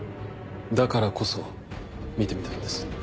だからこそ見てみたいんです。